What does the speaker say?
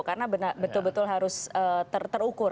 karena betul betul harus terukur